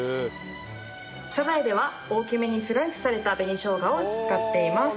サザエでは大きめにスライスされた紅生姜を使っています。